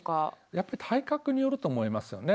やっぱり体格によると思いますよね。